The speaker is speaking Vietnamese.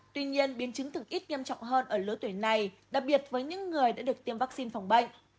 tuy nhiên biến chứng thực ít nghiêm trọng hơn ở lứa tuổi này đặc biệt với những người đã được tiêm vaccine phòng bệnh